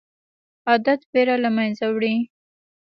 عادت ویره له منځه وړي.